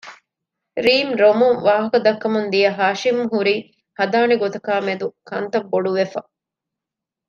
ރީމް ރޮމުން ވާހަކަ ދައްކަމުން ދިޔަ ހާޝިމް ހުރީ ހަދާނެ ގޮތަކާއި މެދު ކަންތައް ބޮޑުވެފަ